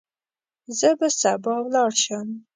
زه به سبا ولاړ شم.